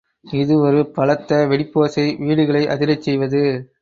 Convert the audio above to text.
இது ஒரு பலத்த வெடிப்போசை வீடுகளை அதிரச் செய்வது.